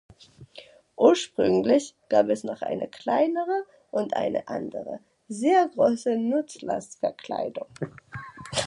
Ursprünglich gab es noch eine kleinere und eine andere sehr große Nutzlastverkleidung.